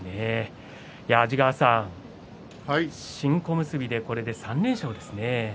安治川さん新小結でこれで３連勝ですね。